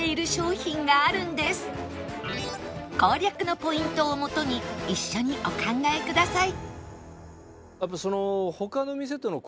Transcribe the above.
攻略のポイントを元に一緒にお考えください